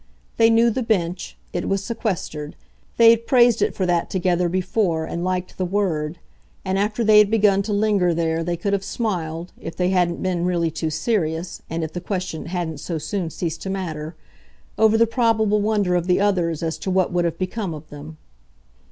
They knew the bench; it was "sequestered" they had praised it for that together, before, and liked the word; and after they had begun to linger there they could have smiled (if they hadn't been really too serious, and if the question hadn't so soon ceased to matter), over the probable wonder of the others as to what would have become of them.